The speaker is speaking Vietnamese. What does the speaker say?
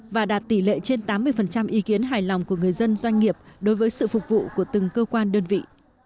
và đạt tỷ lệ trên tám mươi ý kiến hài lòng của người dân doanh nghiệp đối với sự phục vụ của từng cơ quan đơn vị